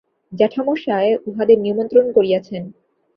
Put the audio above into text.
জ্যাঠামশায় উহাদের নিমন্ত্রণ করিয়াছেন।